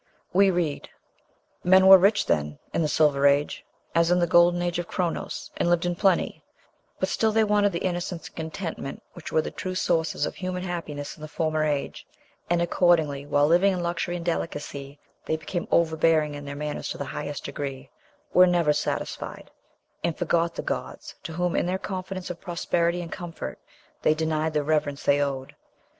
We read: "Men were rich then (in the Silver Age), as in the Golden Age of Chronos, and lived in plenty; but still they wanted the innocence and contentment which were the true sources of human happiness in the former age; and accordingly, while living in luxury and delicacy, they became overbearing in their manners to the highest degree, were never satisfied, and forgot the gods, to whom, in their confidence of prosperity and comfort, they denied the reverence they owed....